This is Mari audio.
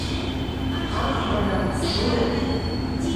— Ах, манам, жульык!